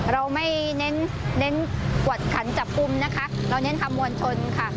เราไม่เน้นกวดขันจับกุมนะคะเราเน้นทำมวลชนค่ะ